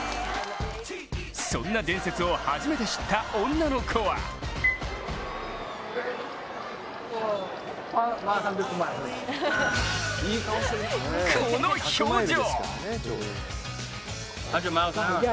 そんな伝説を初めて知った女の子はこの表情！